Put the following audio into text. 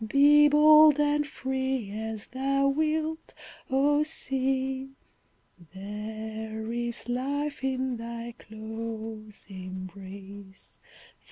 Be bold and free as thou wilt, O Sea, There is life in thy close embrace.